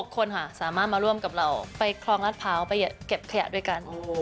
คนค่ะสามารถมาร่วมกับเราไปคลองรัฐพร้าวไปเก็บขยะด้วยกัน